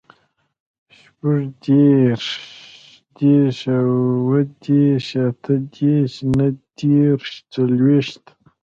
شپوږدېرس, اوهدېرس, اتهدېرس, نهدېرس, څلوېښت